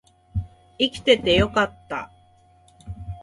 生きててよかった